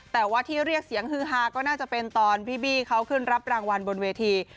แต่ว่าที่เรียกเสียงฮือฮาก็น่าจะเป็นตอนพี่บี้เขาขึ้นรับรางวัลบนเวที